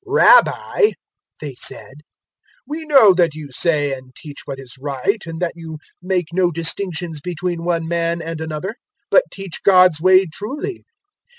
"Rabbi," they said, "we know that you say and teach what is right and that you make no distinctions between one man and another, but teach God's way truly.